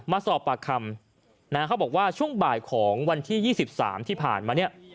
มาสอบปากคำนะฮะเขาบอกว่าช่วงบ่ายของวันที่๒๓ที่ผ่านมาเนี่ย